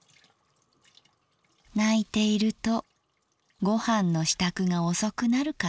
「泣いているとご飯の仕度がおそくなるからさ。